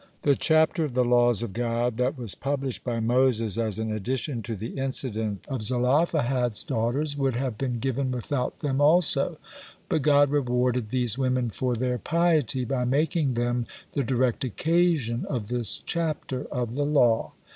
The chapter of the laws of God that was published by Moses as an addition to the incident of Zelophehad's daughters would have been given without them also, but God rewarded these women for their piety by making them the direct occasion of this chapter of the law.